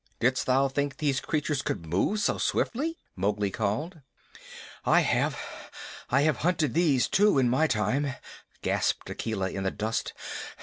Didst thou think these creatures could move so swiftly?" Mowgli called. "I have have hunted these too in my time," gasped Akela in the dust.